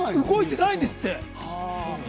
動いてないんですって。